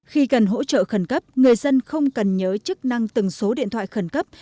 khi cần hỗ trợ khẩn cấp người dân không cần nhớ chức năng từng số điện thoại khẩn cấp